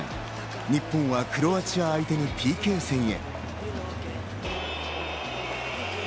日本はクロアチア相手にＰＫ戦へ。